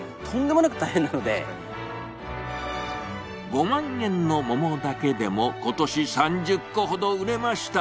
５万円の桃だけでも今年３０個ほど売れました。